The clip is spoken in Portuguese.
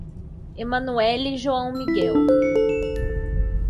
Emanuelly e João Miguel